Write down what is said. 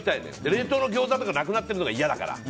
冷凍のギョーザとかなくなってるのが嫌だから。